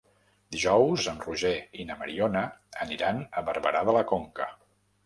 Dijous en Roger i na Mariona aniran a Barberà de la Conca.